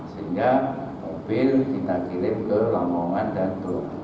sehingga mobil kita kirim ke langongan dan tunggak